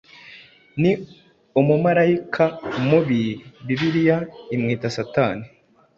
Ni umumarayika mubi. Bibiliya imwita Satani